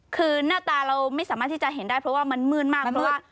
คือหน้าตาเราไม่สามารถที่จะเห็นได้เพราะว่ามันมืดมากเพราะว่า